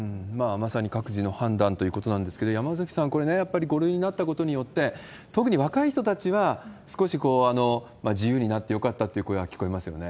まさに各自の判断ということなんですけれども、山崎さん、これね、やっぱり５類になったことによって、特に若い人たちは、少し自由になってよかったという声が聞こえますよね。